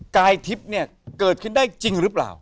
กายทิพย์เนี่ยเกิดขึ้นได้จริงหรือเปล่า